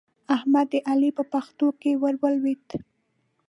احمد د علي په پښتو کې ور ولوېد.